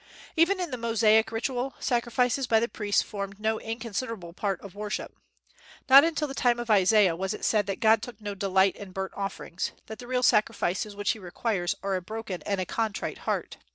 Even in the Mosaic ritual, sacrifices by the priests formed no inconsiderable part of worship. Not until the time of Isaiah was it said that God took no delight in burnt offerings, that the real sacrifices which He requires are a broken and a contrite heart.